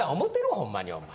ホンマにお前。